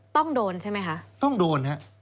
ต้องโดนใช่ไหมคะ